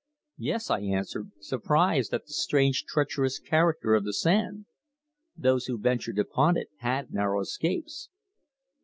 "Yes," I answered, surprised at the strange treacherous character of the sand. "Those who ventured upon it had narrow escapes."